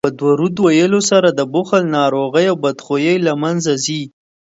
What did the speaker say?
په درود ویلو سره د بخل ناروغي او بدخويي له منځه ځي